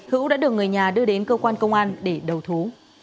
hữu đã được người nhà đưa đến cơ quan công an để đầu thú